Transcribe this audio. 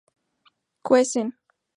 cuecen